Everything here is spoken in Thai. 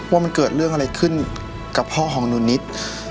ว่ามันเกิดเรื่องอะไรขึ้นกับพ่อของหนูนิด